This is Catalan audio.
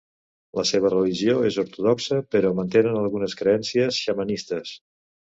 La seva religió és ortodoxa però mantenen algunes creences xamanistes.